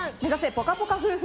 ぽかぽか夫婦！